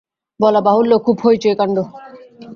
বলাবাহুল্য খুব হৈ চৈ কাণ্ড।